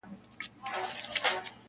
کليوال ژوند نور هم ګډوډ او بې باورې کيږي,